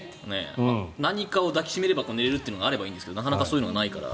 何かを抱き締めれば寝れるっていうのがあればいいんですけどなかなかそういうのがないから。